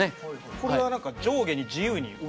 これは何か上下に自由に動くように。